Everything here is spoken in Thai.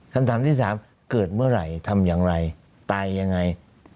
คำถามที่สามเกิดเมื่อไหร่ทำอย่างไรตายยังไง